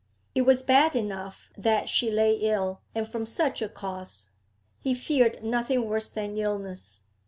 It was bad enough that she lay ill, and from such a cause; he feared nothing worse than illness.